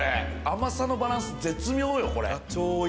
甘さのバランス絶妙よ、これ。